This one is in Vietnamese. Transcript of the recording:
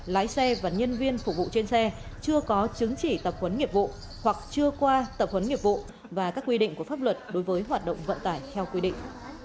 lái xe và nhân viên phục vụ trên xe chưa có chứng chỉ tập quấn nghiệp vụ hoặc chưa qua tập huấn nghiệp vụ và các quy định của pháp luật đối với hoạt động vận tải theo quy định